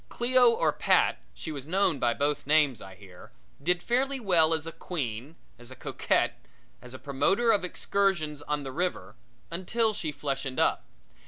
Cleo or Pat she was known by both names, I hear did fairly well as a queen, as a coquette and as a promoter of excursions on the river until she fleshened up.